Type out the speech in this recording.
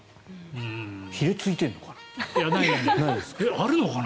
ひれ、ついてるのかな？